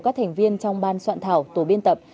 các thành viên trong ban soạn thảo tổ biên tập